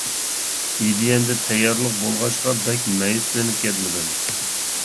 ئىدىيەمدە تەييارلىق بولغاچقا بەك مەيۈسلىنىپ كەتمىدىم.